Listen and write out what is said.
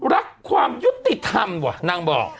รักความยุติธรรมว่ะนางบอก